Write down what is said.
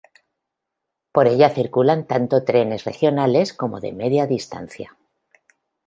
Por ella circulan tanto trenes regionales como de media distancia.